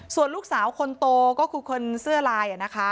ส่วนลูกสาวคนโตก็คือคนเสื้อลายนะคะ